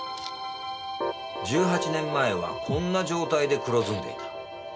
１８年前はこんな状態で黒ずんでいた。